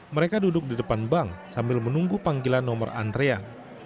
mereka duduk di depan bank sambil menunggu panggilan nomor antrean